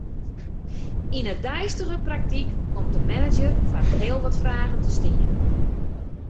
Yn 'e deistige praktyk komt de manager foar heel wat fragen te stean.